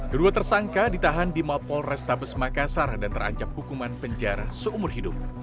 kedua tersangka ditahan di mapol restabes makassar dan terancam hukuman penjara seumur hidup